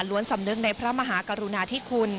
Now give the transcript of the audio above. รวมสำนึกในพระมหากรุณาที่คุณ